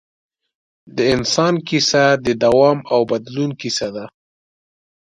د انسان کیسه د دوام او بدلون کیسه ده.